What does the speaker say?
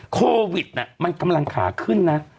โควิดมันกำลังขาขึ้นนะ